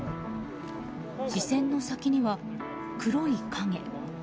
視線の先には、黒い影。